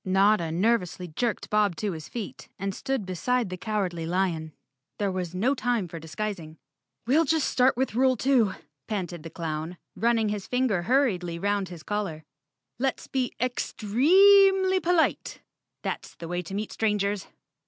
Notta nervously jerked Bob to his feet and stood beside the Cowardly Lion. There was no time for dis¬ guising. "We'll just start with rule two," panted the clown, running his finger hurriedly 'round his collar. "Let's be ex—tre—eemly polite. That's the way to meet strangers."